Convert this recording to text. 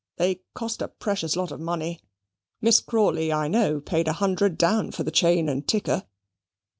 They cost a precious lot of money. Miss Crawley, I know, paid a hundred down for the chain and ticker.